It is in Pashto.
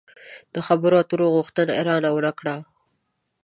د خبرو اترو غوښتنه يې را نه وکړه.